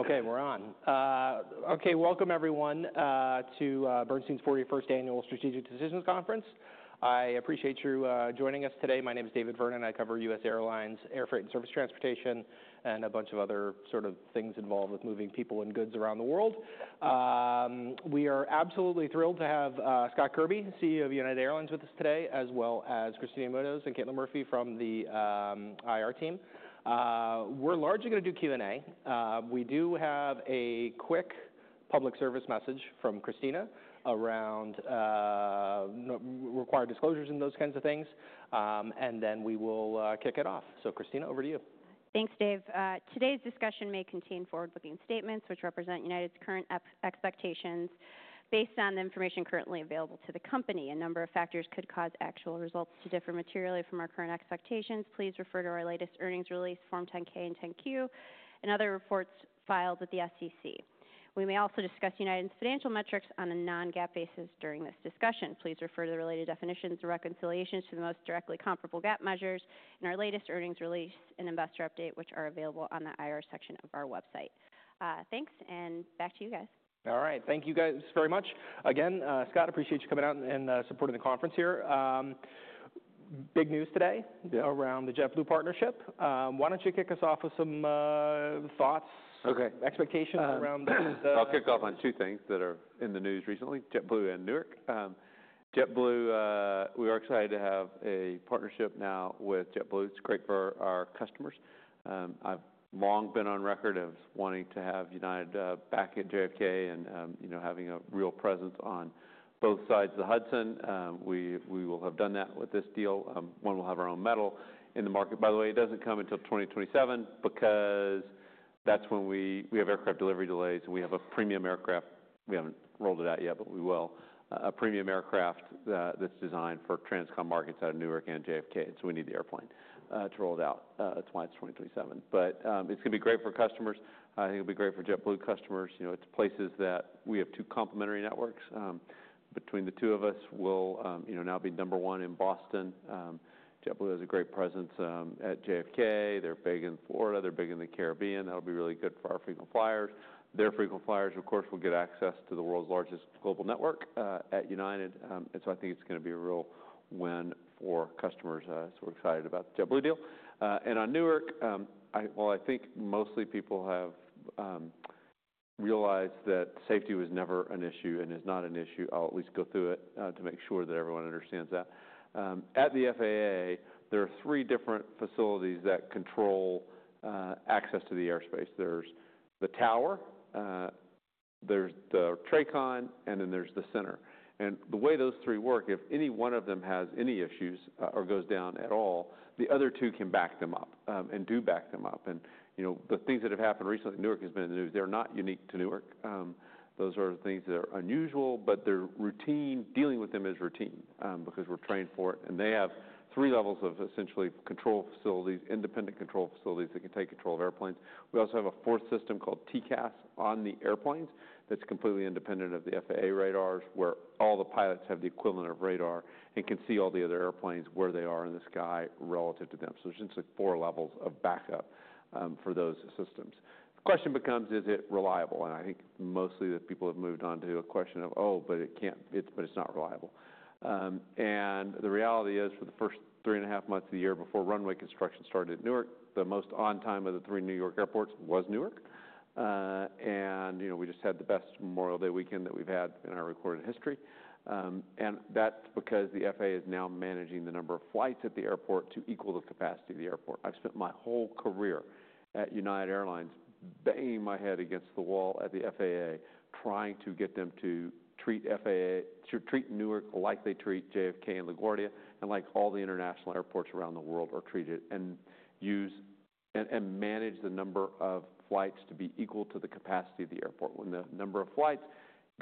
Okay, we're on. Okay, welcome everyone, to Bernstein's 41st Annual Strategic Decisions Conference. I appreciate you joining us today. My name is David Vernon. I cover U.S. Airlines, air freight and service transportation, and a bunch of other sort of things involved with moving people and goods around the world. We are absolutely thrilled to have Scott Kirby, CEO of United Airlines, with us today, as well as Kristina Munoz and Katy Murphy from the IR team. We're largely going to do Q&A. We do have a quick public service message from Kristina around required disclosures and those kinds of things. Then we will kick it off. Kristina, over to you. Thanks, Dave. Today's discussion may contain forward-looking statements which represent United's current expectations based on the information currently available to the company. A number of factors could cause actual results to differ materially from our current expectations. Please refer to our latest earnings release, Form 10-K and 10-Q, and other reports filed with the SEC. We may also discuss United's financial metrics on a non-GAAP basis during this discussion. Please refer to the related definitions and reconciliations to the most directly comparable GAAP measures in our latest earnings release and investor update, which are available on the IR section of our website. Thanks, and back to you guys. All right, thank you guys very much. Again, Scott, appreciate you coming out and supporting the conference here. Big news today around the JetBlue partnership. Why don't you kick us off with some thoughts, expectations around the? I'll kick off on two things that are in the news recently: JetBlue and Newark. JetBlue, we are excited to have a partnership now with JetBlue. It's great for our customers. I've long been on record of wanting to have United back at JFK and, you know, having a real presence on both sides of the Hudson. We will have done that with this deal. One, we'll have our own metal in the market. By the way, it doesn't come until 2027 because that's when we have aircraft delivery delays, and we have a premium aircraft. We haven't rolled it out yet, but we will. A premium aircraft that's designed for transcom markets out of Newark and JFK. And so we need the airplane to roll it out. That's why it's 2027. It's going to be great for customers. I think it'll be great for JetBlue customers. You know, it's places that we have two complementary networks, between the two of us. We'll, you know, now be number one in Boston. JetBlue has a great presence at JFK. They're big in Florida. They're big in the Caribbean. That'll be really good for our frequent flyers. Their frequent flyers, of course, will get access to the world's largest global network at United. I think it's going to be a real win for customers. We're excited about the JetBlue deal. On Newark, I think mostly people have realized that safety was never an issue and is not an issue. I'll at least go through it to make sure that everyone understands that. At the FAA, there are three different facilities that control access to the airspace. There's the tower, there's the TRACON, and then there's the center. The way those three work, if any one of them has any issues, or goes down at all, the other two can back them up, and do back them up. You know, the things that have happened recently, Newark has been in the news. They're not unique to Newark. Those are things that are unusual, but they're routine. Dealing with them is routine, because we're trained for it. They have three levels of essentially control facilities, independent control facilities that can take control of airplanes. We also have a fourth system called TCAS on the airplanes that's completely independent of the FAA radars, where all the pilots have the equivalent of radar and can see all the other airplanes where they are in the sky relative to them. There's essentially four levels of backup for those systems. The question becomes, is it reliable? I think mostly that people have moved on to a question of, oh, but it can't, it's, but it's not reliable. The reality is for the first three and a half months of the year before runway construction started at Newark, the most on time of the three New York airports was Newark. You know, we just ha+d the best Memorial Day weekend that we've had in our recorded history. That's because the FAA is now managing the number of flights at the airport to equal the capacity of the airport. I've spent my whole career at United Airlines banging my head against the wall at the FAA, trying to get them to treat FAA, treat Newark like they treat JFK and LaGuardia, and like all the international airports around the world are treated and use, and manage the number of flights to be equal to the capacity of the airport. When the number of flights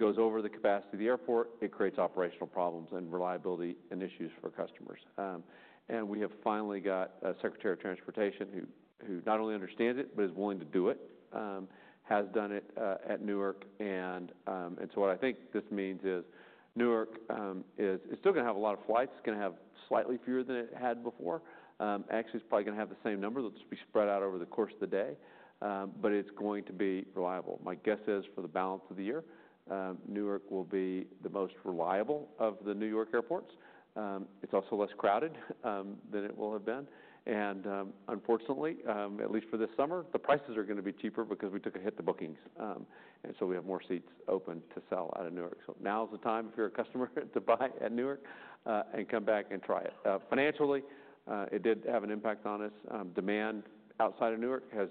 goes over the capacity of the airport, it creates operational problems and reliability and issues for customers. We have finally got a Secretary of Transportation who not only understands it, but is willing to do it, has done it, at Newark. What I think this means is Newark is still going to have a lot of flights. It's going to have slightly fewer than it had before. Actually, it's probably going to have the same number. It'll just be spread out over the course of the day, but it's going to be reliable. My guess is for the balance of the year, Newark will be the most reliable of the New York airports. It's also less crowded than it will have been. Unfortunately, at least for this summer, the prices are going to be cheaper because we took a hit to bookings, and so we have more seats open to sell out of Newark. Now's the time, if you're a customer, to buy at Newark and come back and try it. Financially, it did have an impact on us. Demand outside of Newark has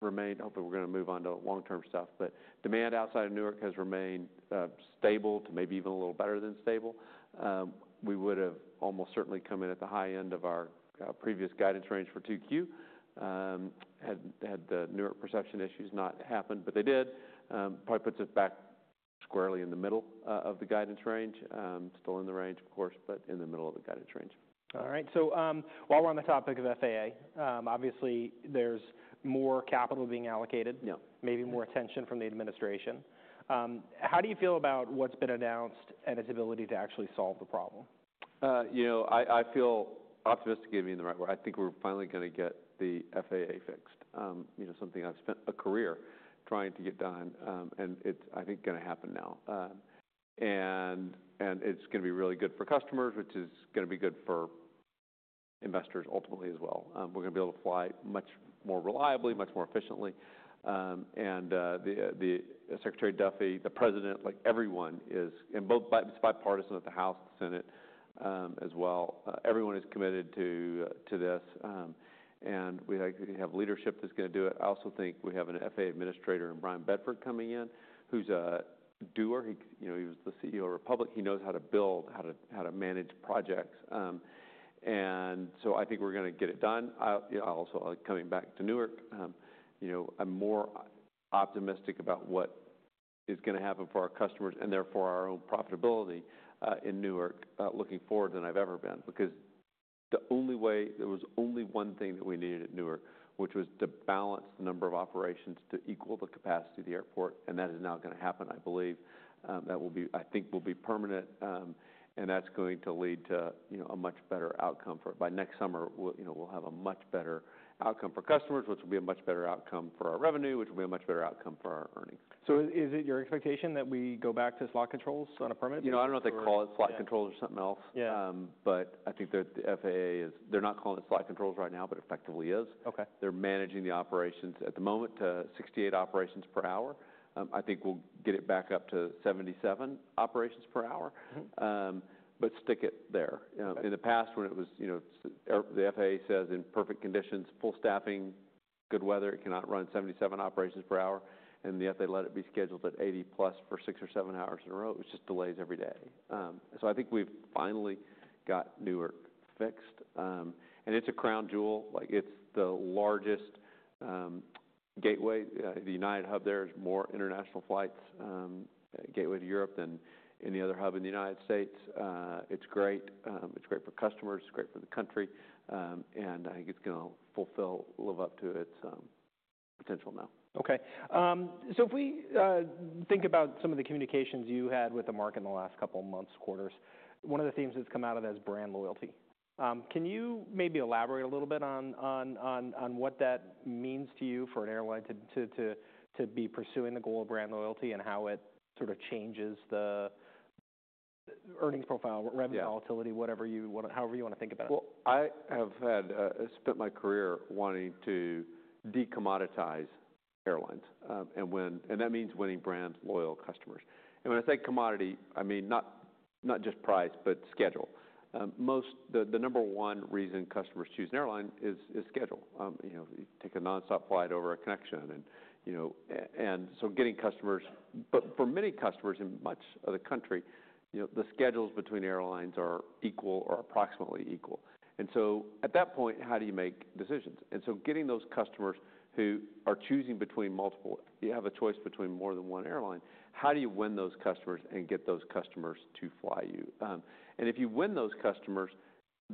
remained. Hopefully, we're going to move on to long-term stuff, but demand outside of Newark has remained stable to maybe even a little better than stable. We would have almost certainly come in at the high end of our previous guidance range for 2Q had the Newark perception issues not happened, but they did. Probably puts us back squarely in the middle of the guidance range. Still in the range, of course, but in the middle of the guidance range. All right. So, while we're on the topic of FAA, obviously there's more capital being allocated. Yeah. Maybe more attention from the administration. How do you feel about what's been announced and its ability to actually solve the problem? You know, I feel optimistic, you mean the right word. I think we're finally going to get the FAA fixed. You know, something I've spent a career trying to get done. It's, I think, going to happen now. It's going to be really good for customers, which is going to be good for investors ultimately as well. We're going to be able to fly much more reliably, much more efficiently. The Secretary Duffy, the President, like everyone is, and both bipartisan at the House, the Senate, as well. Everyone is committed to this. We have leadership that's going to do it. I also think we have an FAA administrator in Bryan Bedford coming in, who's a doer. He was the CEO of Republic. He knows how to build, how to manage projects. I think we're going to get it done. I, you know, I'll also, coming back to Newark, you know, I'm more optimistic about what is going to happen for our customers and therefore our own profitability, in Newark, looking forward than I've ever been, because the only way, there was only one thing that we needed at Newark, which was to balance the number of operations to equal the capacity of the airport. That is now going to happen, I believe. That will be, I think, permanent. That's going to lead to, you know, a much better outcome for it. By next summer, we'll, you know, we'll have a much better outcome for customers, which will be a much better outcome for our revenue, which will be a much better outcome for our earnings. Is it your expectation that we go back to slot controls on a permit? You know, I don't know if they call it slot controls or something else. Yeah. I think they're, the FAA is, they're not calling it slot controls right now, but effectively is. Okay. They're managing the operations at the moment to 68 operations per hour. I think we'll get it back up to 77 operations per hour. Mm-hmm. Stick it there. Okay. You know, in the past, when it was, you know, the FAA says in perfect conditions, full staffing, good weather, it cannot run 77 operations per hour. Yet they let it be scheduled at 80+ for six or seven hours in a row. It just delays every day. I think we've finally got Newark fixed. It is a crown jewel. Like, it is the largest gateway. The United hub there is more international flights, gateway to Europe than any other hub in the United States. It is great. It is great for customers. It is great for the country. I think it is going to fulfill, live up to its potential now. Okay. If we think about some of the communications you had with the market in the last couple of months, quarters, one of the themes that's come out of that is brand loyalty. Can you maybe elaborate a little bit on what that means to you for an airline to be pursuing the goal of brand loyalty and how it sort of changes the earnings profile, revenue volatility, whatever you want, however you want to think about it? I have spent my career wanting to decommoditize airlines, and that means winning brand loyal customers. When I say commodity, I mean not just price, but schedule. The number one reason customers choose an airline is schedule. You know, you take a nonstop flight over a connection, and so getting customers, but for many customers in much of the country, you know, the schedules between airlines are equal or approximately equal. At that point, how do you make decisions? Getting those customers who are choosing between multiple, you have a choice between more than one airline, how do you win those customers and get those customers to fly you? If you win those customers,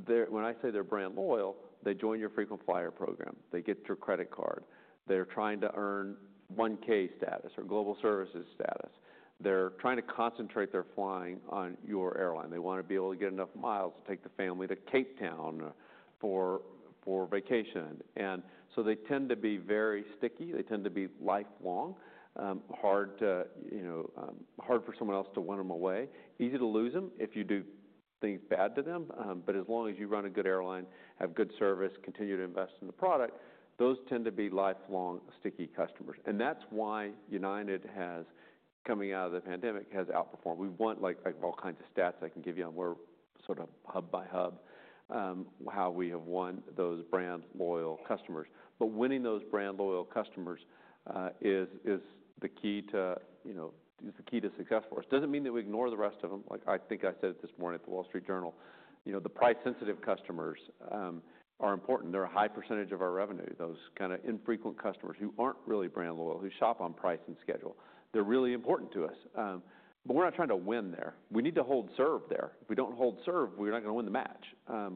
when I say they're brand loyal, they join your frequent flyer program. They get your credit card. They're trying to earn 1K status or Global Services status. They're trying to concentrate their flying on your airline. They want to be able to get enough miles to take the family to Cape Town for vacation. They tend to be very sticky. They tend to be lifelong, hard to, you know, hard for someone else to win them away, easy to lose them if you do things bad to them. As long as you run a good airline, have good service, continue to invest in the product, those tend to be lifelong, sticky customers. That is why United has, coming out of the pandemic, has outperformed. We've won, like, I have all kinds of stats I can give you on where sort of hub by hub, how we have won those brand loyal customers. Winning those brand loyal customers is the key to, you know, is the key to success for us. It does not mean that we ignore the rest of them. Like I think I said this morning at the Wall Street Journal, you know, the price-sensitive customers are important. They are a high percentage of our revenue. Those kind of infrequent customers who are not really brand loyal, who shop on price and schedule, they are really important to us. We are not trying to win there. We need to hold serve there. If we do not hold serve, we are not going to win the match.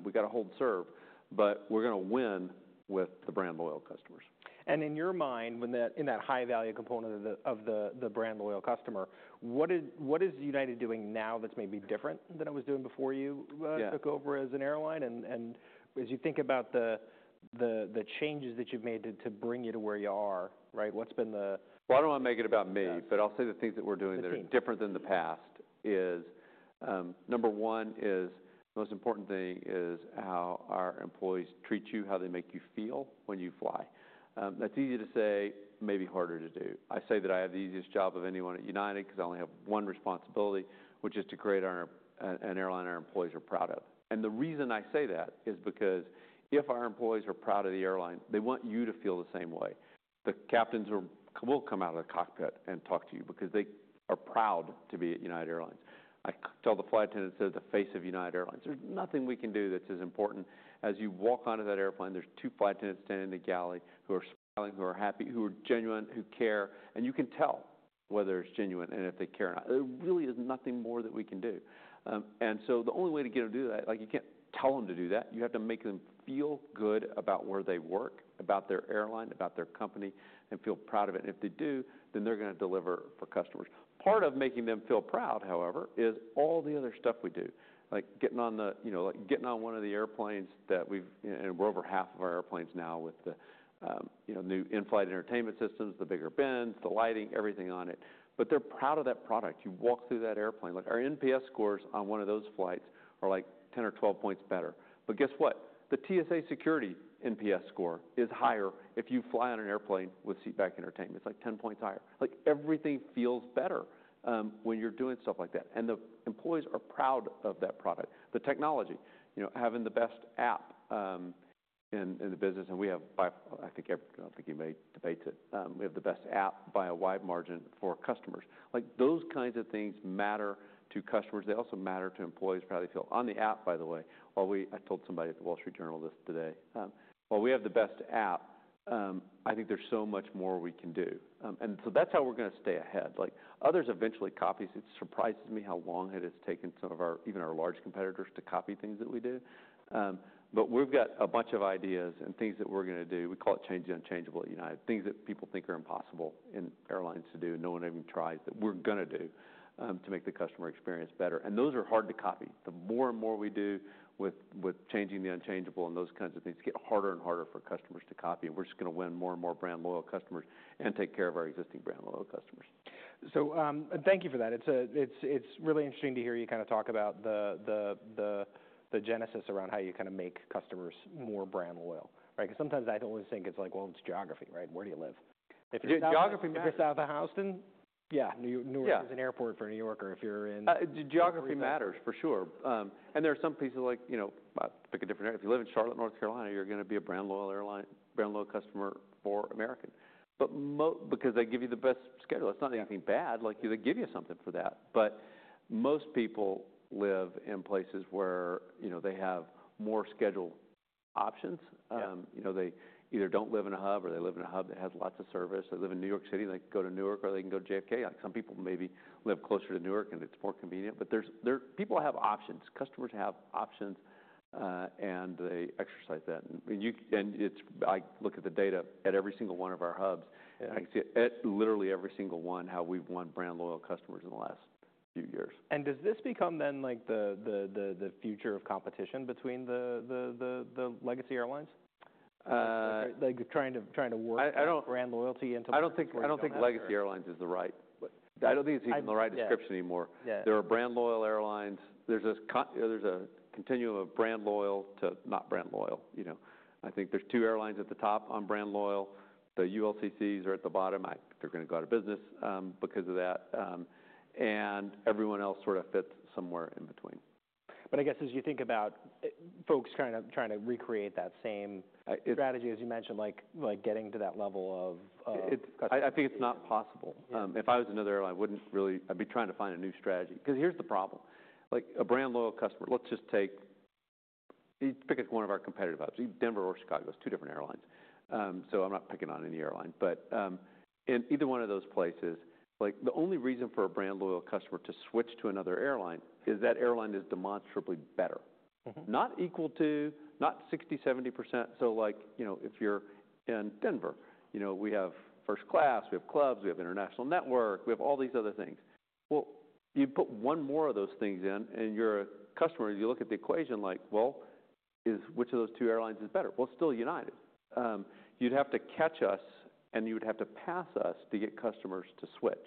We have to hold serve, but we are going to win with the brand loyal customers. In your mind, in that high value component of the brand loyal customer, what is United doing now that's maybe different than it was doing before you took over as an airline? As you think about the changes that you've made to bring you to where you are, right? What's been the. I do not want to make it about me, but I'll say the things that we're doing that are different than the past is, number one is the most important thing is how our employees treat you, how they make you feel when you fly. That's easy to say, maybe harder to do. I say that I have the easiest job of anyone at United because I only have one responsibility, which is to create an airline our employees are proud of. The reason I say that is because if our employees are proud of the airline, they want you to feel the same way. The captains will come out of the cockpit and talk to you because they are proud to be at United Airlines. I tell the flight attendants, they're the face of United Airlines. There's nothing we can do that's as important as you walk onto that airplane. There are two flight attendants standing in the galley who are smiling, who are happy, who are genuine, who care. You can tell whether it's genuine and if they care or not. There really is nothing more that we can do. The only way to get them to do that, like, you can't tell them to do that. You have to make them feel good about where they work, about their airline, about their company, and feel proud of it. If they do, then they're going to deliver for customers. Part of making them feel proud, however, is all the other stuff we do, like getting on the, you know, like getting on one of the airplanes that we've, and we're over half of our airplanes now with the, you know, new in-flight entertainment systems, the bigger bins, the lighting, everything on it. They are proud of that product. You walk through that airplane. Like our NPS scores on one of those flights are like 10 or 12 points better. Guess what? The TSA security NPS score is higher if you fly on an airplane with seatback entertainment. It's like 10 points higher. Like everything feels better, when you're doing stuff like that. The employees are proud of that product. The technology, you know, having the best app, in, in the business. We have by, I think every, I do not think anybody debates it. We have the best app by a wide margin for customers. Like, those kinds of things matter to customers. They also matter to employees, how they feel. On the app, by the way, while we, I told somebody at The Wall Street Journal this today, while we have the best app, I think there's so much more we can do. That is how we're going to stay ahead. Like, others eventually copy us. It surprises me how long it has taken some of our, even our large competitors to copy things that we do. We've got a bunch of ideas and things that we're going to do. We call it change the unchangeable at United, things that people think are impossible in airlines to do and no one even tries that we're going to do, to make the customer experience better. Those are hard to copy. The more and more we do with changing the unchangeable and those kinds of things, it's getting harder and harder for customers to copy. We're just going to win more and more brand loyal customers and take care of our existing brand loyal customers. Thank you for that. It's really interesting to hear you kind of talk about the genesis around how you kind of make customers more brand loyal, right? Because sometimes I always think it's like, well, it's geography, right? Where do you live? Geography matters. If you're south of Houston, yeah, New York is an airport for New Yorker if you're in. Geography matters for sure. And there are some pieces like, you know, I pick a different area. If you live in Charlotte, North Carolina, you're going to be a brand loyal airline, brand loyal customer for American. Most, because they give you the best schedule, it's not anything bad. Like they give you something for that. Most people live in places where, you know, they have more schedule options. You know, they either don't live in a hub or they live in a hub that has lots of service. They live in New York City, they go to Newark or they can go to JFK. Like some people maybe live closer to Newark and it's more convenient. There are people have options. Customers have options, and they exercise that. You, and it's, I look at the data at every single one of our hubs. Yeah. I can see at literally every single one how we've won brand loyal customers in the last few years. Does this become then like the future of competition between the legacy airlines? Like trying to work brand loyalty into legacy airlines? I don't think legacy airlines is the right, I don't think it's even the right description anymore. Yeah. There are brand loyal airlines. There's a continuum of brand loyal to not brand loyal, you know. I think there's two airlines at the top on brand loyal. The ULCCs are at the bottom. I, they're going to go out of business, because of that. Everyone else sort of fits somewhere in between. I guess as you think about folks kind of trying to recreate that same strategy as you mentioned, like, like getting to that level of, of customers. I think it's not possible. If I was another airline, I wouldn't really, I'd be trying to find a new strategy. Because here's the problem. Like a brand loyal customer, let's just take, you pick one of our competitive hubs, either Denver or Chicago, it's two different airlines. So I'm not picking on any airline, but, in either one of those places, like the only reason for a brand loyal customer to switch to another airline is that airline is demonstrably better. Mm-hmm. Not equal to, not 60%-70%. So like, you know, if you're in Denver, you know, we have first class, we have clubs, we have international network, we have all these other things. You put one more of those things in and you're a customer, you look at the equation like, well, is which of those two airlines is better? Still United. You'd have to catch us and you would have to pass us to get customers to switch.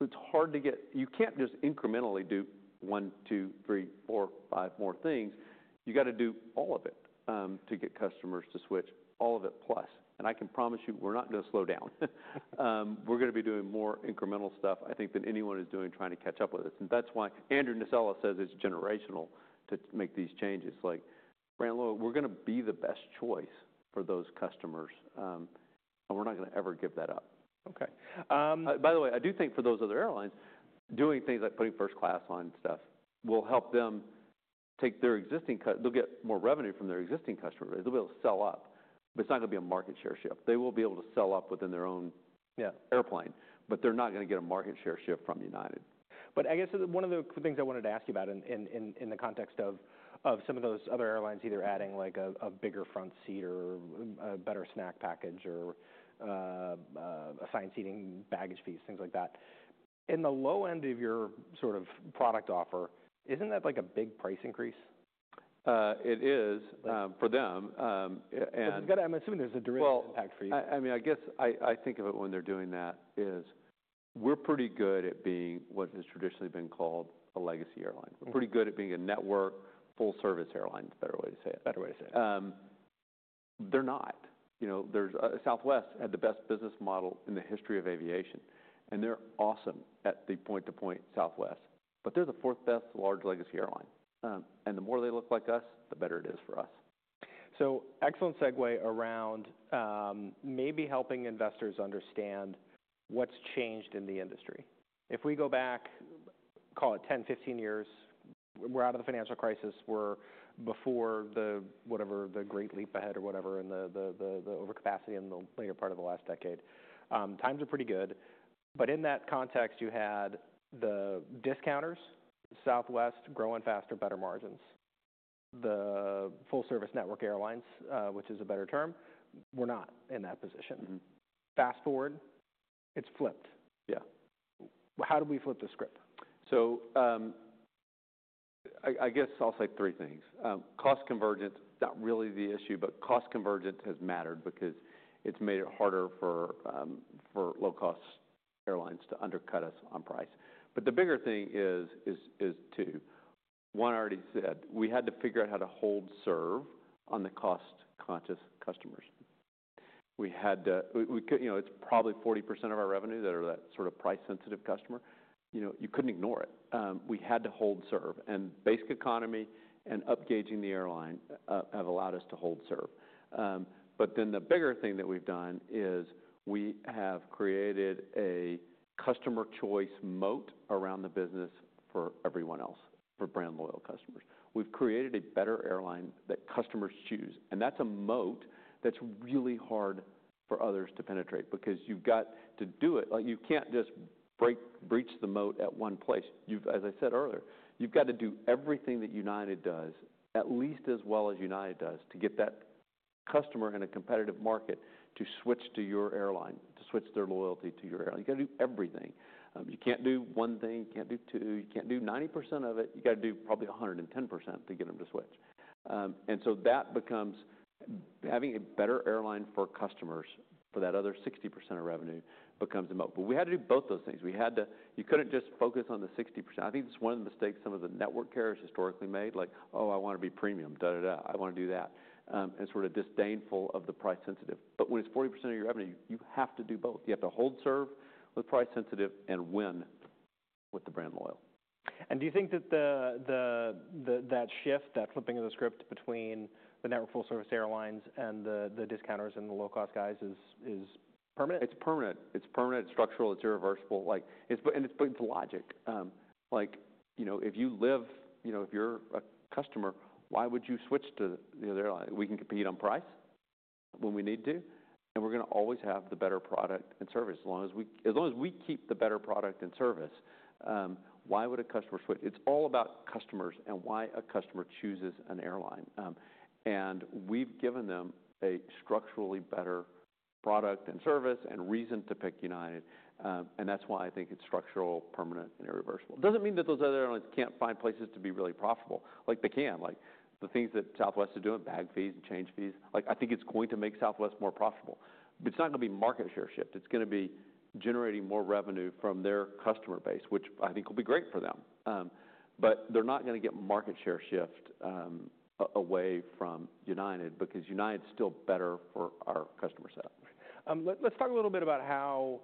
It's hard to get, you can't just incrementally do one, two, three, four, five more things. You got to do all of it to get customers to switch, all of it plus. I can promise you we're not going to slow down. We're going to be doing more incremental stuff, I think, than anyone is doing trying to catch up with us. That is why Andrew Nocella says it's generational to make these changes. Like brand loyal, we're going to be the best choice for those customers, and we're not going to ever give that up. Okay. By the way, I do think for those other airlines, doing things like putting first class on stuff will help them take their existing customers, they'll get more revenue from their existing customers. They'll be able to sell up, but it's not going to be a market share shift. They will be able to sell up within their own. Yeah. Airplane, but they're not going to get a market share shift from United. I guess one of the things I wanted to ask you about in the context of some of those other airlines, either adding like a bigger front seat or a better snack package or assigned seating, baggage fees, things like that. In the low end of your sort of product offer, isn't that like a big price increase? It is, for them. I'm assuming there's a direct impact for you. I mean, I guess I think of it when they're doing that is we're pretty good at being what has traditionally been called a legacy airline. We're pretty good at being a network, full service airline, is a better way to say it. Better way to say it. they're not. You know, Southwest had the best business model in the history of aviation, and they're awesome at the point-to-point Southwest, but they're the fourth best large legacy airline. The more they look like us, the better it is for us. Excellent segue around, maybe helping investors understand what's changed in the industry. If we go back, call it 10, 15 years, we're out of the financial crisis. We're before the, whatever the great leap ahead or whatever and the overcapacity in the later part of the last decade. Times are pretty good. In that context, you had the discounters, Southwest growing faster, better margins, the full service network airlines, which is a better term. We're not in that position. Mm-hmm. Fast forward, it's flipped. Yeah. How do we flip the script? I guess I'll say three things. Cost convergence, not really the issue, but cost convergence has mattered because it's made it harder for low-cost airlines to undercut us on price. The bigger thing is two. One I already said, we had to figure out how to hold serve on the cost-conscious customers. We had to, you know, it's probably 40% of our revenue that are that sort of price-sensitive customer. You know, you couldn't ignore it. We had to hold serve. Basic economy and upgazing the airline have allowed us to hold serve. The bigger thing that we've done is we have created a customer choice moat around the business for everyone else, for brand loyal customers. We've created a better airline that customers choose. That is a moat that is really hard for others to penetrate because you have got to do it. You cannot just breach the moat at one place. As I said earlier, you have got to do everything that United does at least as well as United does to get that customer in a competitive market to switch to your airline, to switch their loyalty to your airline. You have got to do everything. You cannot do one thing, you cannot do two, you cannot do 90% of it. You have got to do probably 110% to get them to switch. That becomes having a better airline for customers for that other 60% of revenue, which becomes a moat. We had to do both those things. You could not just focus on the 60%. I think it is one of the mistakes some of the network carriers historically made. Like, oh, I want to be premium, da, da, da. I want to do that. And sort of disdainful of the price-sensitive. When it's 40% of your revenue, you have to do both. You have to hold serve with price-sensitive and win with the brand loyal. Do you think that shift, that flipping of the script between the network full service airlines and the discounters and the low-cost guys is permanent? It's permanent. It's structural. It's irreversible. Like, you know, if you're a customer, why would you switch to the other airline? We can compete on price when we need to, and we're going to always have the better product and service as long as we keep the better product and service. Why would a customer switch? It's all about customers and why a customer chooses an airline, and we've given them a structurally better product and service and reason to pick United. That's why I think it's structural, permanent, and irreversible. It doesn't mean that those other airlines can't find places to be really profitable. They can. The things that Southwest is doing, bag fees and change fees, I think it's going to make Southwest more profitable. It's not going to be market share shift. It's going to be generating more revenue from their customer base, which I think will be great for them. They are not going to get market share shift away from United because United's still better for our customer setup. Let's talk a little bit about how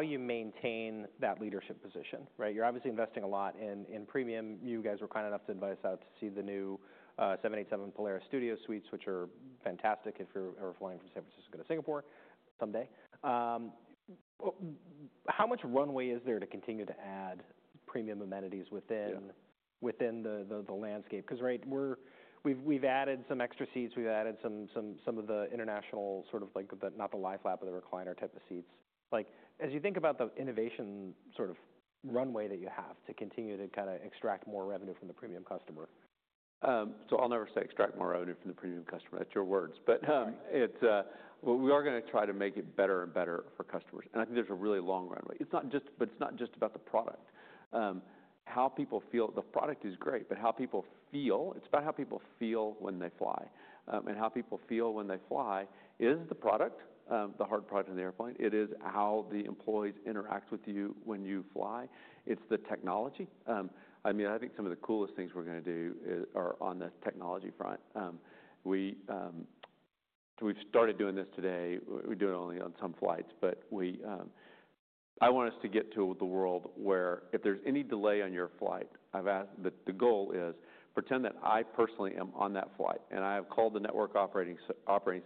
you maintain that leadership position, right? You're obviously investing a lot in premium. You guys were kind enough to invite us out to see the new 787 Polaris Studio suites, which are fantastic if you're ever flying from San Francisco to Singapore someday. How much runway is there to continue to add premium amenities within? Yeah. Within the landscape? Because right, we've added some extra seats. We've added some of the international sort of like the, not the lie-flat, but the recliner type of seats. Like as you think about the innovation sort of runway that you have to continue to kind of extract more revenue from the premium customer. I'll never say extract more revenue from the premium customer. That's your words. We are going to try to make it better and better for customers. I think there's a really long runway. It's not just about the product. How people feel, the product is great, but how people feel, it's about how people feel when they fly. How people feel when they fly is the product, the hard product in the airplane. It is how the employees interact with you when you fly. It's the technology. I mean, I think some of the coolest things we're going to do are on the technology front. We've started doing this today. We do it only on some flights, but we, I want us to get to the world where if there's any delay on your flight, I've asked that the goal is pretend that I personally am on that flight and I have called the network operating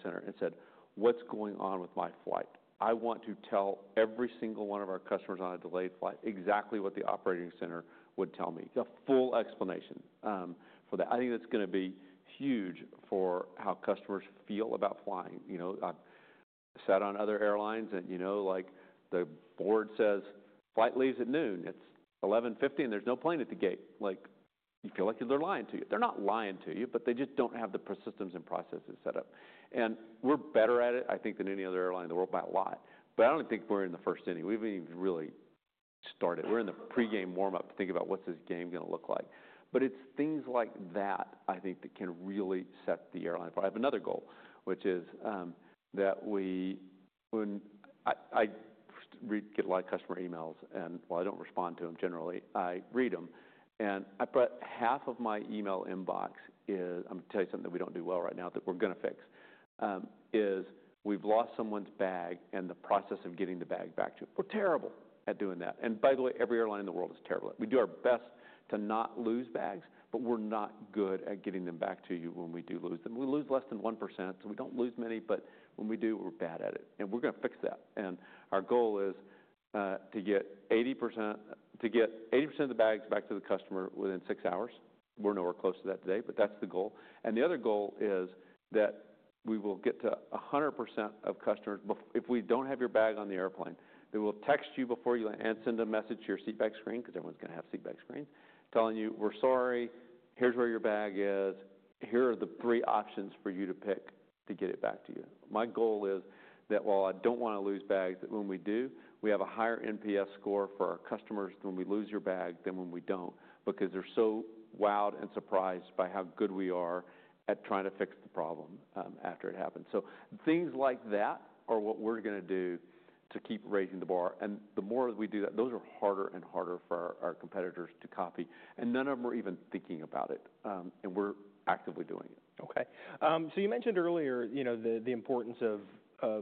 center and said, what's going on with my flight? I want to tell every single one of our customers on a delayed flight exactly what the operating center would tell me. A full explanation for that. I think that's going to be huge for how customers feel about flying. You know, I've sat on other airlines and, you know, like the board says, flight leaves at noon. It's 11:50 A.M. and there's no plane at the gate. Like you feel like they're lying to you. They're not lying to you, but they just don't have the systems and processes set up. We're better at it, I think, than any other airline in the world by a lot. I don't think we're in the first inning. We have not even really started. We're in the pre-game warmup to think about what's this game going to look like. It's things like that, I think, that can really set the airline forward. I have another goal, which is that when I get a lot of customer emails, and while I don't respond to them generally, I read them. Half of my email inbox is, I'm going to tell you something that we don't do well right now that we're going to fix, is we've lost someone's bag and the process of getting the bag back to you. We're terrible at doing that. By the way, every airline in the world is terrible at it. We do our best to not lose bags, but we're not good at getting them back to you when we do lose them. We lose less than 1%, so we don't lose many, but when we do, we're bad at it. We're going to fix that. Our goal is to get 80% of the bags back to the customer within six hours. We're nowhere close to that today, but that's the goal. The other goal is that we will get to 100% of customers before, if we don't have your bag on the airplane, they will text you before you land and send a message to your seatback screen, because everyone's going to have seatback screens, telling you, we're sorry, here's where your bag is. Here are the three options for you to pick to get it back to you. My goal is that while I do not want to lose bags, that when we do, we have a higher NPS score for our customers when we lose your bag than when we do not, because they are so wowed and surprised by how good we are at trying to fix the problem after it happens. Things like that are what we are going to do to keep raising the bar. The more that we do that, those are harder and harder for our competitors to copy. None of them are even thinking about it, and we are actively doing it. Okay. You mentioned earlier, you know, the importance of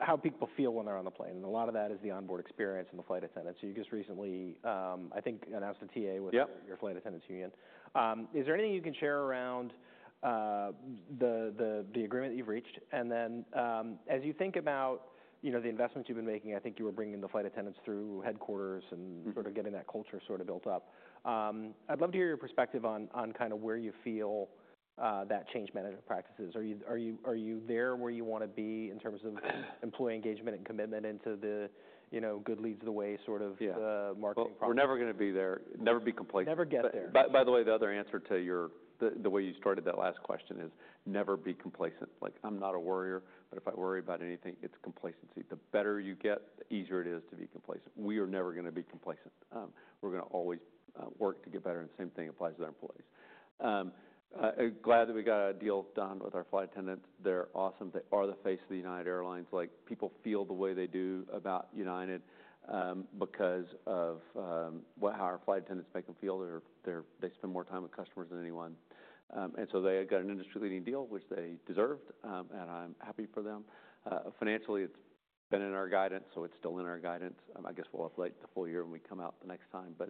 how people feel when they're on the plane. A lot of that is the onboard experience and the flight attendants. You just recently, I think, announced a TA with your. Yep. Flight attendants union. Is there anything you can share around the agreement that you've reached? As you think about the investments you've been making, I think you were bringing the flight attendants through headquarters and sort of getting that culture built up. I'd love to hear your perspective on where you feel that change management practices are. Are you there where you want to be in terms of employee engagement and commitment into the good leads the way sort of the marketing process? Yeah. We're never going to be there. Never be complacent. Never get there. By the way, the other answer to the way you started that last question is never be complacent. Like, I'm not a worrier, but if I worry about anything, it's complacency. The better you get, the easier it is to be complacent. We are never going to be complacent. We're going to always work to get better. The same thing applies to our employees. Glad that we got a deal done with our flight attendants. They're awesome. They are the face of United Airlines. Like, people feel the way they do about United because of how our flight attendants make them feel. They spend more time with customers than anyone, and so they got an industry-leading deal, which they deserved, and I'm happy for them. Financially, it's been in our guidance, so it's still in our guidance. I guess we'll update the full year when we come out the next time, but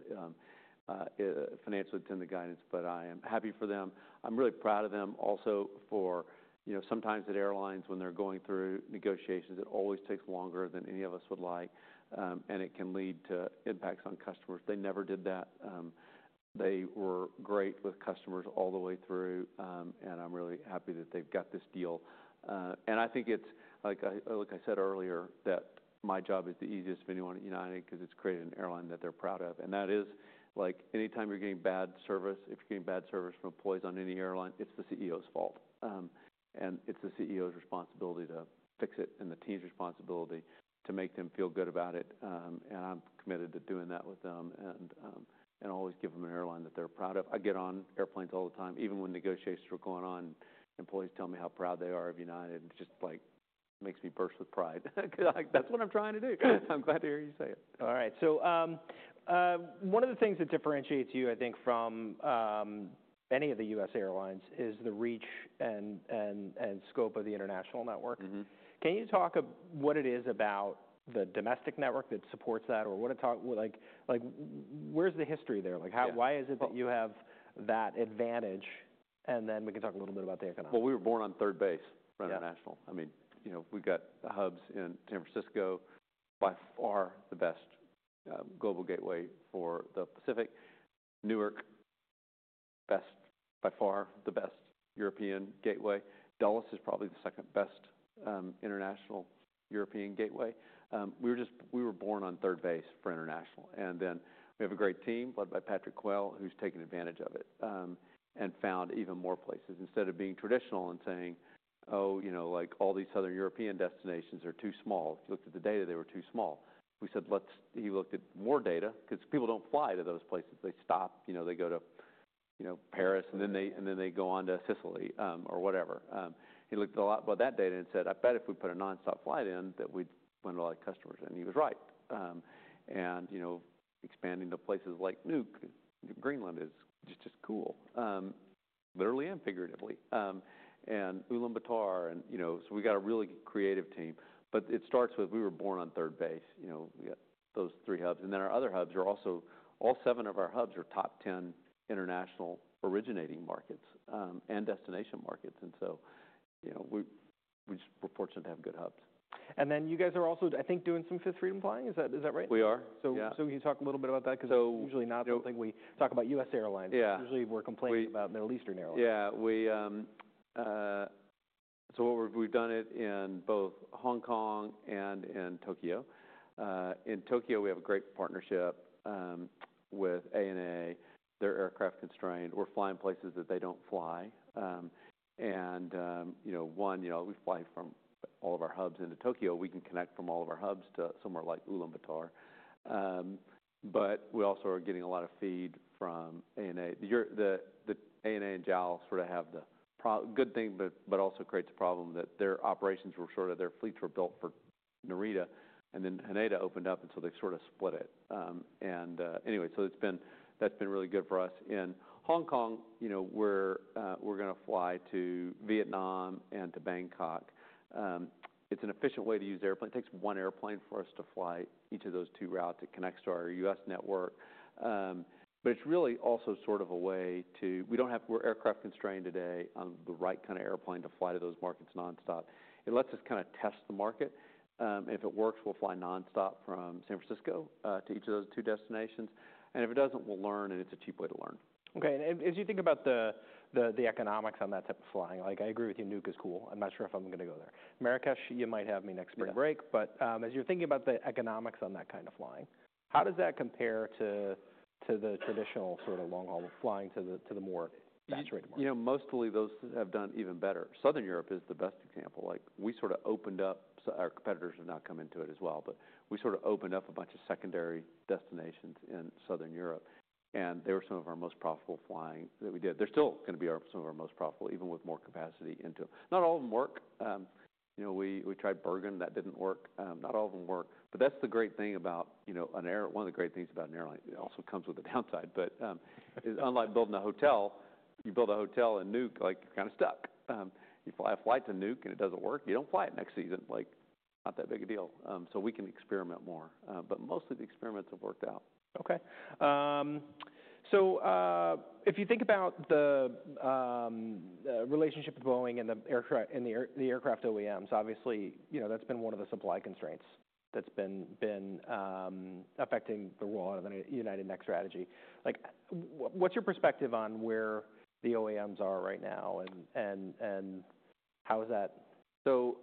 financially it's in the guidance, but I am happy for them. I'm really proud of them also for, you know, sometimes at airlines when they're going through negotiations, it always takes longer than any of us would like, and it can lead to impacts on customers. They never did that. They were great with customers all the way through, and I'm really happy that they've got this deal. I think it's like, like I said earlier, that my job is the easiest of anyone at United because it's creating an airline that they're proud of. That is like anytime you're getting bad service, if you're getting bad service from employees on any airline, it's the CEO's fault. and it's the CEO's responsibility to fix it and the team's responsibility to make them feel good about it. I'm committed to doing that with them and always give them an airline that they're proud of. I get on airplanes all the time. Even when negotiations are going on, employees tell me how proud they are of United. It just like makes me burst with pride. Like that's what I'm trying to do. I'm glad to hear you say it. All right. One of the things that differentiates you, I think, from any of the US airlines is the reach and scope of the international network. Mm-hmm. Can you talk about what it is about the domestic network that supports that or what it, like, like where's the history there? Like, how, why is it that you have that advantage? Then we can talk a little bit about the economy. We were born on third base for international. Yeah. I mean, you know, we've got the hubs in San Francisco, by far the best, global gateway for the Pacific. Newark, best, by far the best European gateway. Dulles is probably the second best international European gateway. We were just, we were born on third base for international. And then we have a great team led by Patrick Quayle, who's taken advantage of it, and found even more places instead of being traditional and saying, oh, you know, like all these Southern European destinations are too small. If you looked at the data, they were too small. We said, let's, he looked at more data because people do not fly to those places. They stop, you know, they go to, you know, Paris and then they, and then they go on to Sicily, or whatever. He looked at a lot about that data and said, I bet if we put a nonstop flight in that we'd win a lot of customers. And he was right. And, you know, expanding to places like Nuuk, Greenland is just, just cool, literally and figuratively. And Ulaanbaatar and, you know, so we got a really creative team. It starts with we were born on third base, you know, we got those three hubs. Our other hubs are also, all seven of our hubs are top 10 international originating markets and destination markets. You know, we just were fortunate to have good hubs. You guys are also, I think, doing some fifth freedom flying. Is that right? We are. Yeah. Can you talk a little bit about that? Because usually not. So. I don't think we talk about U.S. airlines. Yeah. Usually we're complaining about Middle Eastern airlines. Yeah. We, so what we've done in both Hong Kong and in Tokyo. In Tokyo, we have a great partnership with ANA. They're aircraft constrained. We're flying places that they don't fly, and, you know, one, you know, we fly from all of our hubs into Tokyo. We can connect from all of our hubs to somewhere like Ulaanbaatar, but we also are getting a lot of feed from ANA. The ANA and JAL sort of have the pro good thing, but also creates a problem that their operations were sort of, their fleets were built for Narita and then Haneda opened up and so they sort of split it. Anyway, that's been really good for us. In Hong Kong, you know, we're going to fly to Vietnam and to Bangkok. It's an efficient way to use the airplane. It takes one airplane for us to fly each of those two routes. It connects to our US network, but it's really also sort of a way to, we don't have, we're aircraft constrained today on the right kind of airplane to fly to those markets nonstop. It lets us kind of test the market, and if it works, we'll fly nonstop from San Francisco to each of those two destinations. If it doesn't, we'll learn and it's a cheap way to learn. Okay. As you think about the economics on that type of flying, like I agree with you, Nuuk is cool. I'm not sure if I'm going to go there. Marrakesh, you might have me next spring. Yeah. Break, but as you're thinking about the economics on that kind of flying, how does that compare to the traditional sort of long-haul flying to the more saturated market? You know, mostly those have done even better. Southern Europe is the best example. Like we sort of opened up, our competitors have now come into it as well, but we sort of opened up a bunch of secondary destinations in Southern Europe. And they were some of our most profitable flying that we did. They're still going to be some of our most profitable, even with more capacity into them. Not all of them work. You know, we tried Bergen. That did not work. Not all of them work. That is the great thing about, you know, an airline, one of the great things about an airline. It also comes with a downside. Unlike building a hotel, you build a hotel in Nuuk, like you're kind of stuck. You fly a flight to Nuuk and it does not work, you do not fly it next season. Like not that big a deal, so we can experiment more, but mostly the experiments have worked out. Okay. If you think about the relationship with Boeing and the aircraft, and the aircraft OEMs, obviously, you know, that's been one of the supply constraints that's been affecting the role of the United Next strategy. What's your perspective on where the OEMs are right now and how is that?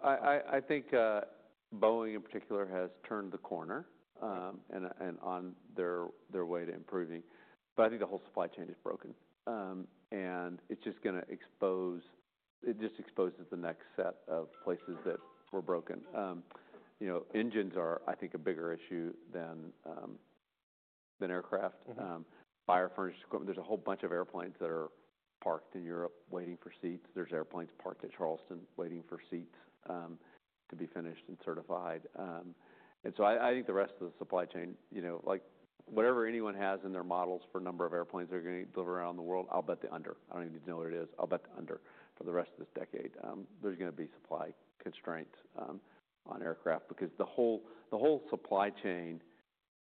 I think Boeing in particular has turned the corner, and on their way to improving. I think the whole supply chain is broken, and it just exposes the next set of places that were broken. You know, engines are, I think, a bigger issue than aircraft. Fire furniture equipment. There's a whole bunch of airplanes that are parked in Europe waiting for seats. There's airplanes parked at Charleston waiting for seats to be finished and certified. I think the rest of the supply chain, you know, like whatever anyone has in their models for number of airplanes they're going to deliver around the world, I'll bet they're under. I don't even need to know what it is. I'll bet they're under for the rest of this decade. There's going to be supply constraints on aircraft because the whole supply chain,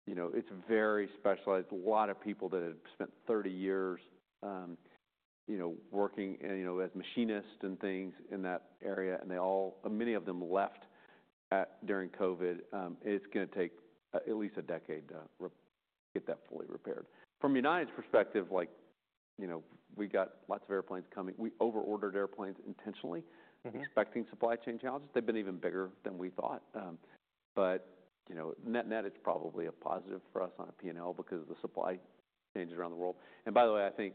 you know, it's very specialized. A lot of people that have spent 30 years, you know, working and, you know, as machinists and things in that area, and they all, many of them left during COVID. It's going to take at least a decade to get that fully repaired. From United's perspective, like, you know, we got lots of airplanes coming. We overordered airplanes intentionally. Mm-hmm. Expecting supply chain challenges. They've been even bigger than we thought, but, you know, net, net it's probably a positive for us on a P&L because of the supply changes around the world. By the way, I think,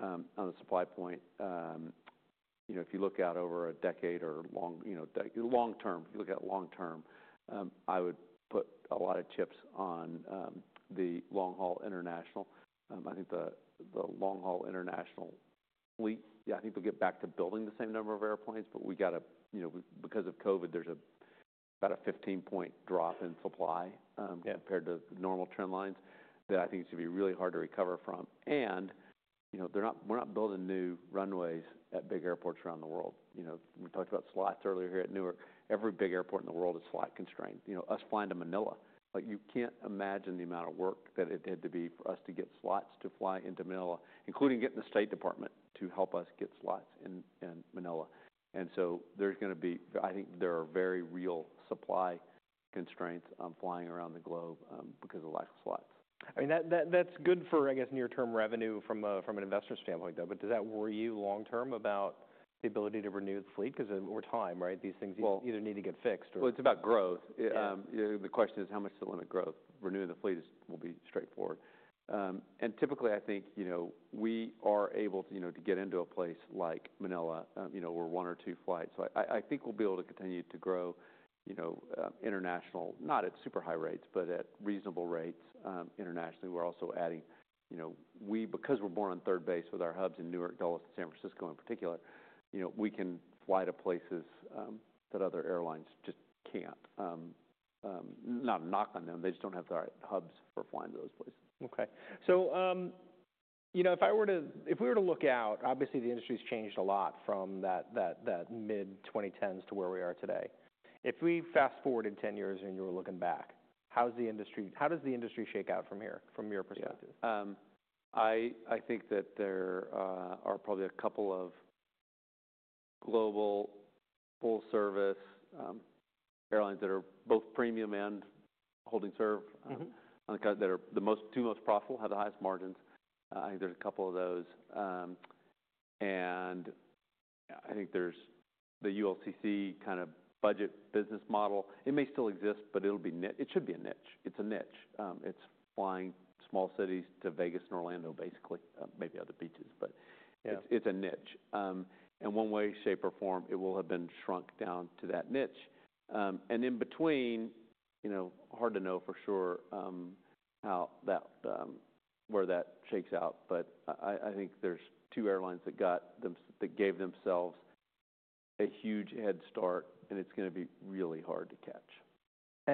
on the supply point, you know, if you look out over a decade or long, you know, decade, long term, if you look at long term, I would put a lot of chips on the long-haul international. I think the long-haul international fleet, yeah, I think they'll get back to building the same number of airplanes, but we got to, you know, because of COVID, there's about a 15-point drop in supply, Yeah. Compared to normal trend lines that I think it's going to be really hard to recover from. You know, they're not, we're not building new runways at big airports around the world. You know, we talked about slots earlier here at Newark. Every big airport in the world is slot constrained. You know, us flying to Manila, like you can't imagine the amount of work that it had to be for us to get slots to fly into Manila, including getting the State Department to help us get slots in Manila. There's going to be, I think there are very real supply constraints on flying around the globe, because of lack of slots. I mean, that's good for, I guess, near-term revenue from an investor standpoint though. Does that worry you long term about the ability to renew the fleet? Because over time, right, these things you either need to get fixed or. It's about growth. Yeah. You know, the question is how much to limit growth. Renewing the fleet will be straightforward. And typically I think, you know, we are able to, you know, to get into a place like Manila, you know, or one or two flights. So I think we'll be able to continue to grow, you know, international, not at super high rates, but at reasonable rates, internationally. We're also adding, you know, we, because we're born on third base with our hubs in Newark, Dulles, and San Francisco in particular, you know, we can fly to places that other airlines just can't. Not a knock on them. They just don't have the right hubs for flying to those places. Okay. So, you know, if I were to, if we were to look out, obviously the industry's changed a lot from that mid-2010s to where we are today. If we fast forward 10 years and you were looking back, how's the industry, how does the industry shake out from here, from your perspective? Yeah. I think that there are probably a couple of global full-service airlines that are both premium and holding serve. Mm-hmm. that are the two most profitable, have the highest margins. I think there's a couple of those. I think there's the ULCC kind of budget business model. It may still exist, but it should be a niche. It's a niche. It's flying small cities to Vegas and Orlando basically, maybe other beaches, but it's a niche. In one way, shape, or form, it will have been shrunk down to that niche. In between, you know, hard to know for sure where that shakes out. I think there's two airlines that gave themselves a huge head start, and it's going to be really hard to catch.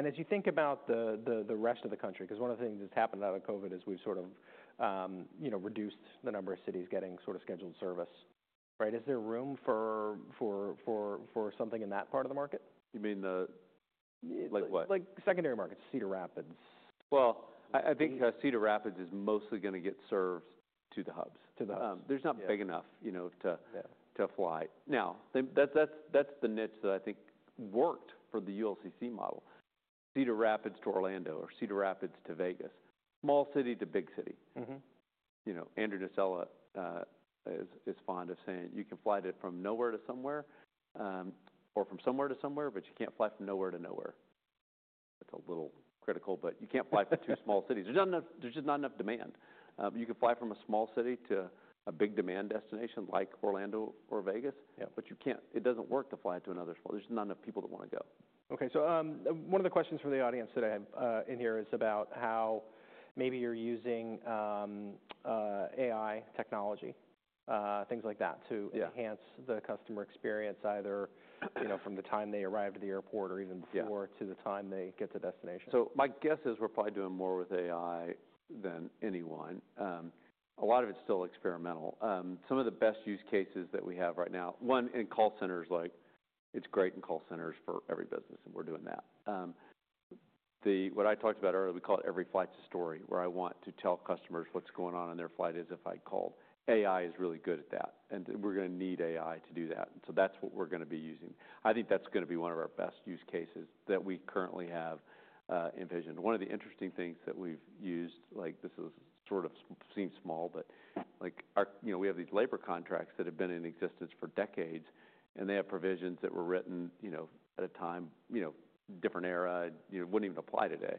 As you think about the rest of the country, because one of the things that's happened out of COVID is we've sort of, you know, reduced the number of cities getting sort of scheduled service, right? Is there room for something in that part of the market? You mean the, like what? Like secondary markets, Cedar Rapids. I think Cedar Rapids is mostly going to get served to the hubs. To the hubs. there's not big enough, you know, to. Yeah. To fly. Now, that's the niche that I think worked for the ULCC model. Cedar Rapids to Orlando or Cedar Rapids to Vegas. Small city to big city. Mm-hmm. You know, Andrew Nocella is fond of saying you can fly to it from nowhere to somewhere, or from somewhere to somewhere, but you can't fly from nowhere to nowhere. That's a little critical, but you can't fly from two small cities. There's just not enough demand. You can fly from a small city to a big demand destination like Orlando or Vegas. Yeah. You can't, it doesn't work to fly to another small. There's just not enough people that want to go. Okay. So, one of the questions from the audience that I have in here is about how maybe you're using AI technology, things like that to enhance the customer experience either, you know, from the time they arrive at the airport or even before. Yeah. To the time they get to destination. My guess is we're probably doing more with AI than anyone. A lot of it's still experimental. Some of the best use cases that we have right now, one in call centers, like it's great in call centers for every business, and we're doing that. What I talked about earlier, we call it Every Flight Has a Story, where I want to tell customers what's going on on their flight as if I called. AI is really good at that. We're going to need AI to do that. That's what we're going to be using. I think that's going to be one of our best use cases that we currently have envisioned. One of the interesting things that we've used, like this sort of seems small, but like our, you know, we have these labor contracts that have been in existence for decades, and they have provisions that were written, you know, at a time, you know, different era, you know, wouldn't even apply today.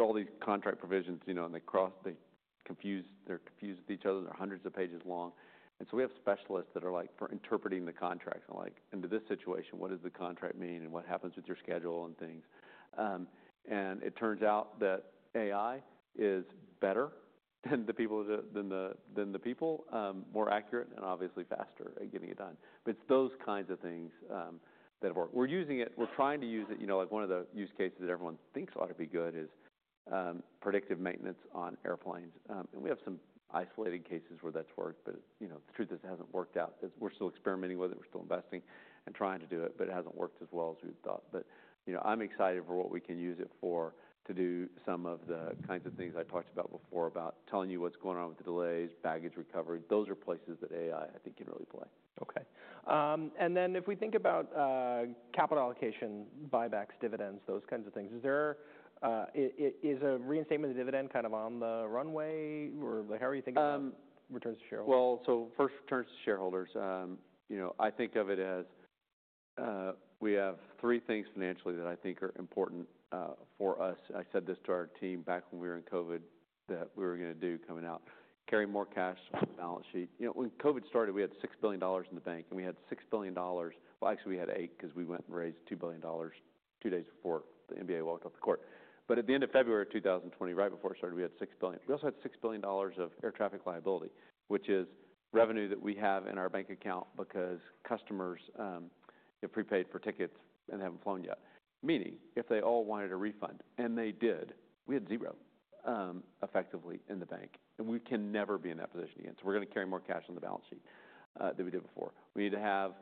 All these contract provisions, you know, and they cross, they confuse, they're confused with each other. They're hundreds of pages long. We have specialists that are like for interpreting the contracts and like, into this situation, what does the contract mean and what happens with your schedule and things. It turns out that AI is better than the people, than the people, more accurate and obviously faster at getting it done. It's those kinds of things that have worked. We're using it. We're trying to use it. You know, like one of the use cases that everyone thinks ought to be good is, predictive maintenance on airplanes. We have some isolated cases where that's worked, but, you know, the truth is it hasn't worked out. We're still experimenting with it. We're still investing and trying to do it, but it hasn't worked as well as we thought. You know, I'm excited for what we can use it for to do some of the kinds of things I talked about before about telling you what's going on with the delays, baggage recovery. Those are places that AI, I think, can really play. Okay. And then if we think about capital allocation, buybacks, dividends, those kinds of things, is there, is a reinstatement of the dividend kind of on the runway or how are you thinking about returns to shareholders? First, returns to shareholders, you know, I think of it as, we have three things financially that I think are important for us. I said this to our team back when we were in COVID that we were going to do coming out, carry more cash on the balance sheet. You know, when COVID started, we had $6 billion in the bank and we had $6 billion. Well, actually we had $8 billion because we went and raised $2 billion two days before the NBA walked off the court. At the end of February 2020, right before it started, we had $6 billion. We also had $6 billion of air traffic liability, which is revenue that we have in our bank account because customers have prepaid for tickets and have not flown yet. Meaning if they all wanted a refund and they did, we had zero, effectively in the bank. We can never be in that position again. We are going to carry more cash on the balance sheet than we did before. We need to have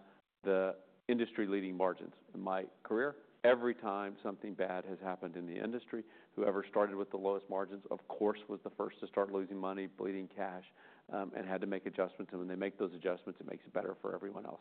the industry-leading margins. In my career, every time something bad has happened in the industry, whoever started with the lowest margins, of course, was the first to start losing money, bleeding cash, and had to make adjustments. When they make those adjustments, it makes it better for everyone else.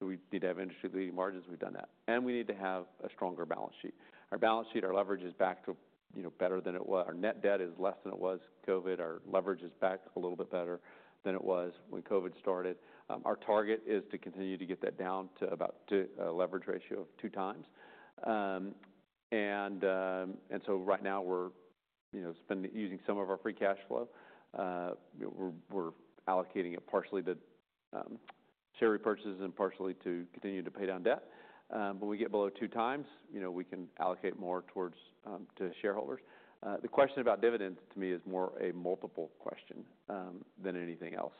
We need to have industry-leading margins. We have done that. We need to have a stronger balance sheet. Our balance sheet, our leverage is back to, you know, better than it was. Our net debt is less than it was pre-COVID. Our leverage is back a little bit better than it was when COVID started. Our target is to continue to get that down to about a leverage ratio of two times. Right now we're spending, using some of our free cash flow. We're allocating it partially to share repurchases and partially to continue to pay down debt. When we get below two times, you know, we can allocate more towards shareholders. The question about dividends to me is more a multiple question than anything else.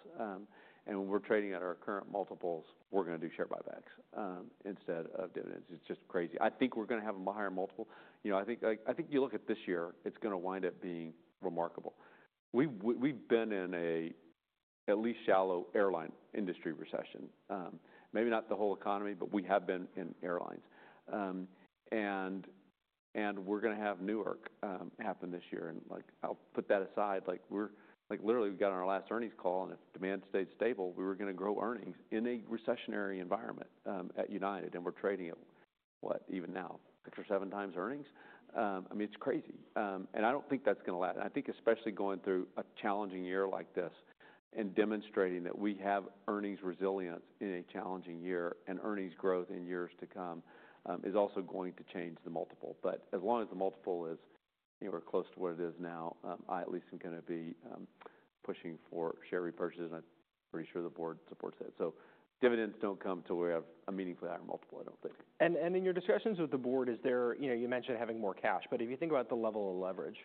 When we're trading at our current multiples, we're going to do share buybacks instead of dividends. It's just crazy. I think we're going to have a higher multiple. You know, I think, like, I think you look at this year, it's going to wind up being remarkable. We've been in at least a shallow airline industry recession. Maybe not the whole economy, but we have been in airlines. We're going to have Newark happen this year. I'll put that aside. Like, literally, we got on our last earnings call and if demand stayed stable, we were going to grow earnings in a recessionary environment at United. We're trading at what, even now, six or seven times earnings. I mean, it's crazy. I don't think that's going to last. I think especially going through a challenging year like this and demonstrating that we have earnings resilience in a challenging year and earnings growth in years to come is also going to change the multiple. As long as the multiple is, you know, we're close to what it is now, I at least am going to be pushing for share repurchases. I'm pretty sure the board supports that. Dividends do not come until we have a meaningful higher multiple, I do not think. In your discussions with the board, is there, you know, you mentioned having more cash, but if you think about the level of leverage,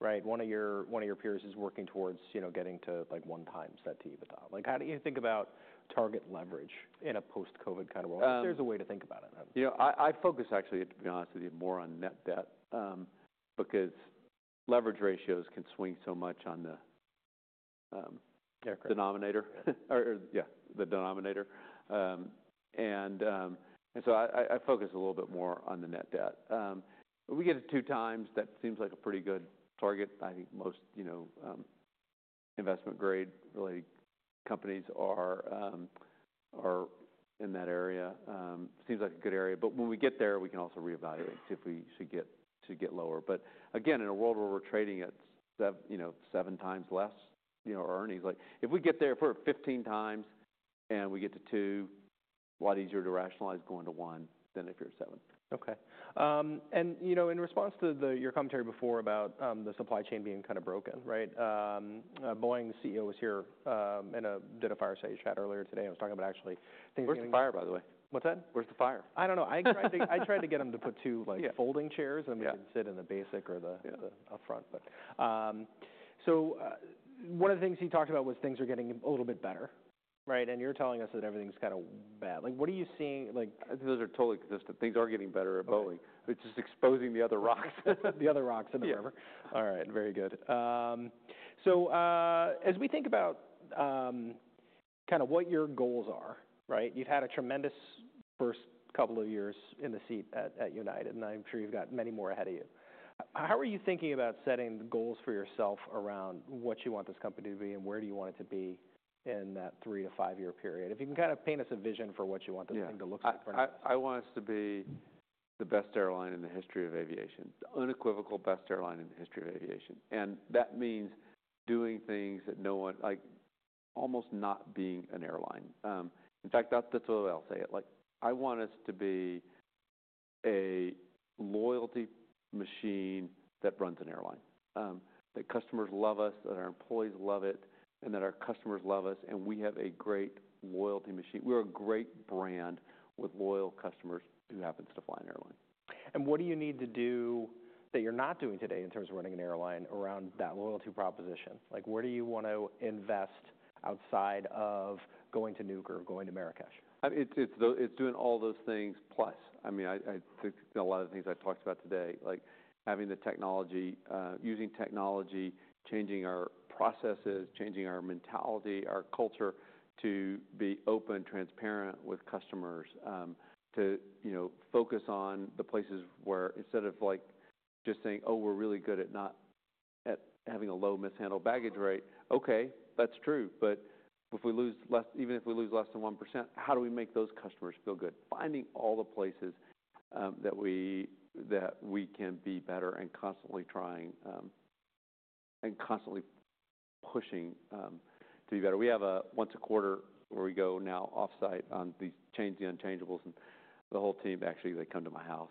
right, one of your peers is working towards, you know, getting to like one times to EBITDA. How do you think about target leverage in a post-COVID kind of world? If there is a way to think about it. You know, I focus actually, to be honest with you, more on net debt, because leverage ratios can swing so much on the, Aircraft. Denominator or, or yeah, the denominator. And, and so I, I focus a little bit more on the net debt. If we get it two times, that seems like a pretty good target. I think most, you know, investment-grade related companies are, are in that area. Seems like a good area. When we get there, we can also reevaluate to see if we should get, should get lower. Again, in a world where we're trading at seven, you know, seven times less, you know, our earnings, like if we get there, if we're at 15 times and we get to two, a lot easier to rationalize going to one than if you're at seven. Okay. And you know, in response to your commentary before about the supply chain being kind of broken, right? Boeing's CEO was here and did a fire safety chat earlier today. I was talking about actually things being. Where's the fire, by the way? What's that? Where's the fire? I don't know. I tried to get him to put two, like. Yeah. Folding chairs and we can sit in the Basic or the. Yeah. The upfront. One of the things he talked about was things are getting a little bit better, right? You are telling us that everything is kind of bad. What are you seeing? Like. I think those are totally consistent. Things are getting better at Boeing. Yeah. It's just exposing the other rocks. The other rocks in the river. Yeah. All right. Very good. As we think about, kind of what your goals are, right? You've had a tremendous first couple of years in the seat at United, and I'm sure you've got many more ahead of you. How are you thinking about setting the goals for yourself around what you want this company to be and where do you want it to be in that three to five-year period? If you can kind of paint us a vision for what you want this thing to look like for next. I want us to be the best airline in the history of aviation. Unequivocal best airline in the history of aviation. That means doing things that no one, like almost not being an airline. In fact, that's the way I'll say it. I want us to be a loyalty machine that runs an airline, that customers love us, that our employees love it, and that our customers love us. We have a great loyalty machine. We're a great brand with loyal customers who happens to fly an airline. What do you need to do that you're not doing today in terms of running an airline around that loyalty proposition? Like where do you want to invest outside of going to Newark or going to Marrakesh? I mean, it's those, it's doing all those things plus. I mean, I think a lot of the things I talked about today, like having the technology, using technology, changing our processes, changing our mentality, our culture to be open, transparent with customers, to, you know, focus on the places where instead of like just saying, "Oh, we're really good at not, at having a low mishandled baggage rate." Okay, that's true. But if we lose less, even if we lose less than 1%, how do we make those customers feel good? Finding all the places that we can be better and constantly trying, and constantly pushing, to be better. We have a once a quarter where we go now offsite on these change, the unchangeables, and the whole team actually, they come to my house.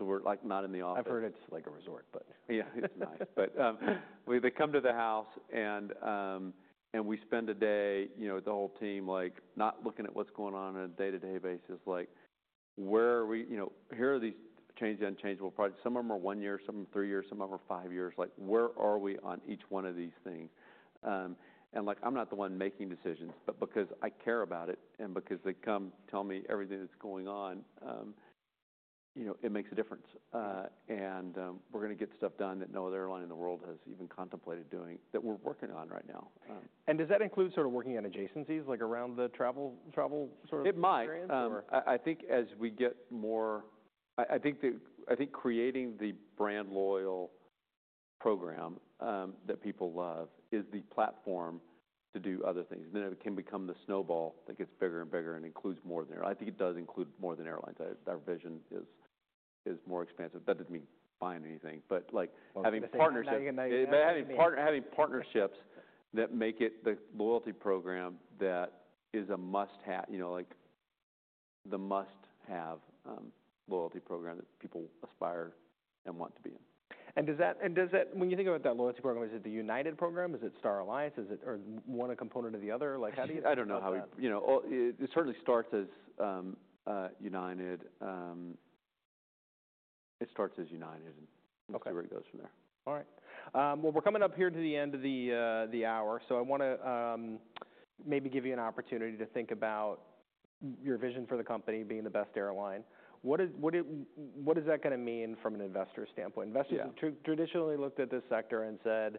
We are like not in the office. I've heard it's like a resort. Yeah, it's nice. We, they come to the house and we spend a day, you know, with the whole team, like not looking at what's going on on a day-to-day basis. Like where are we, you know, here are these change and unchangeable products. Some of them are one year, some are three years, some of them are five years. Like where are we on each one of these things? I'm not the one making decisions, but because I care about it and because they come tell me everything that's going on, you know, it makes a difference. We're going to get stuff done that no other airline in the world has even contemplated doing that we're working on right now. Does that include sort of working on adjacencies, like around the travel, travel sort of experience or? It might. I think as we get more, I think creating the brand loyal program that people love is the platform to do other things. It can become the snowball that gets bigger and bigger and includes more than airline. I think it does include more than airlines. Our vision is more expansive. That does not mean buying anything, but like having partnerships. Basically stagnating. Having partnerships that make it the loyalty program that is a must-have, you know, like the must-have loyalty program that people aspire and want to be in. Does that, when you think about that loyalty program, is it the United program? Is it Star Alliance? Is it, or one a component of the other? Like how do you? I don't know how we, you know, it certainly starts as United. It starts as United and. Okay. Let's see where it goes from there. All right. We're coming up here to the end of the hour. I want to maybe give you an opportunity to think about your vision for the company being the best airline. What does that going to mean from an investor standpoint? Investors who traditionally looked at this sector and said,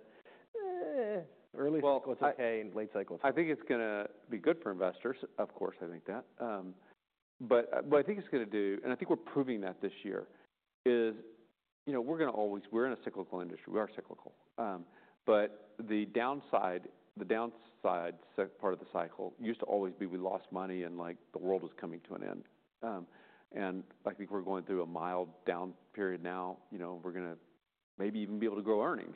"Early cycles are okay and late cycles are okay. I think it's going to be good for investors. Of course, I think that. But I think it's going to do, and I think we're proving that this year is, you know, we're going to always, we're in a cyclical industry. We are cyclical. But the downside, the downside part of the cycle used to always be we lost money and like the world was coming to an end. I think we're going through a mild down period now. You know, we're going to maybe even be able to grow earnings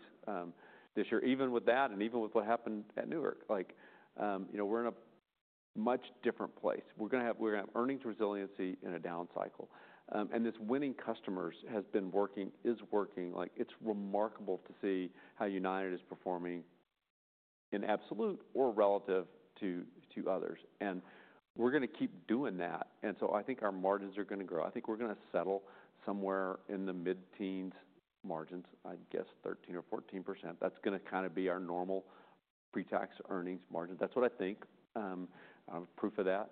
this year, even with that and even with what happened at Newark. Like, you know, we're in a much different place. We're going to have, we're going to have earnings resiliency in a down cycle. And this winning customers has been working, is working. Like it's remarkable to see how United is performing in absolute or relative to others. We're going to keep doing that. I think our margins are going to grow. I think we're going to settle somewhere in the mid-teens margins, I guess 13% or 14%. That's going to kind of be our normal pre-tax earnings margin. That's what I think. I do not have proof of that,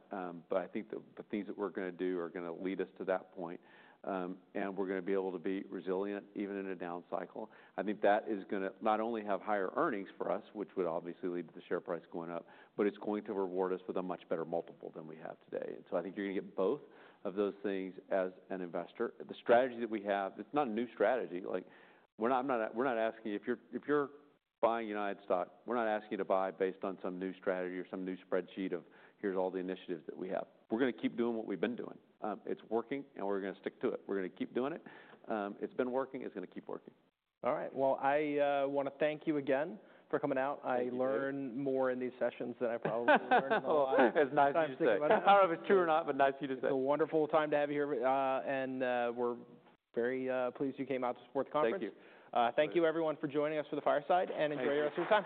but I think the things that we're going to do are going to lead us to that point. We're going to be able to be resilient even in a down cycle. I think that is going to not only have higher earnings for us, which would obviously lead to the share price going up, but it's going to reward us with a much better multiple than we have today. I think you're going to get both of those things as an investor. The strategy that we have, it's not a new strategy. We're not, I'm not, we're not asking you if you're buying United stock, we're not asking you to buy based on some new strategy or some new spreadsheet of here's all the initiatives that we have. We're going to keep doing what we've been doing. It's working and we're going to stick to it. We're going to keep doing it. It's been working. It's going to keep working. All right. I want to thank you again for coming out. I learn more in these sessions than I probably learn in the last time. Oh, it's nice to see you. I don't know if it's true or not, but nice to see you today. It's a wonderful time to have you here, and we're very pleased you came out to support the conference. Thank you. Thank you everyone for joining us for the fireside and enjoy the rest of your time.